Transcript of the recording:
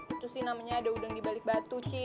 itu sih namanya ada udang dibalik batu cing